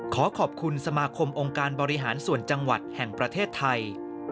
ขอขอบคุณสมาคมองค์การบริหารส่วนจังหวัดแห่งประเทศไทย